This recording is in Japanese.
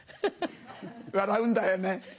笑うんだよね。